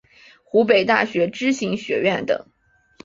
湖北大学知行学院等